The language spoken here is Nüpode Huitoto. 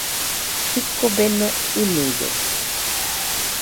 Jɨko beno ɨnɨde.